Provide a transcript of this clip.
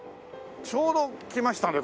ちょうど来ましたね